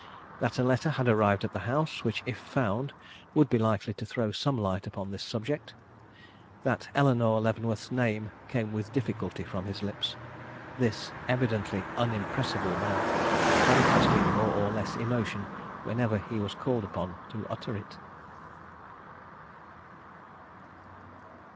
That a letter had arrived at the house, which if found would be likely to throw some light upon this subject. That Eleanore Leavenworth's name came with difficulty from his lips; this evidently unimpressible man, manifesting more or less emotion whenever he was called upon to utter it.